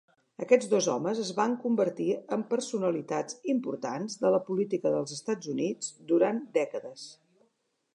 Aquests dos homes es van convertir en personalitats importants de la política dels EUA durant dècades.